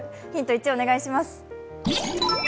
１お願いします。